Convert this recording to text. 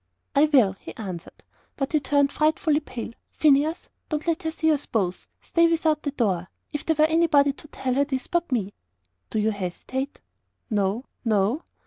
"I will," he answered; but he turned frightfully pale. "Phineas don't let her see us both. Stay without the door. If there were anybody to tell her this but me!" "Do you hesitate?" "No No."